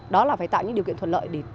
đó là phải tạo những điều kiện thuận lợi để